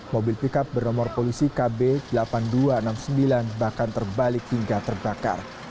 mobil pickup bernomor polisi kb delapan ribu dua ratus enam puluh sembilan bahkan terbalik hingga terbakar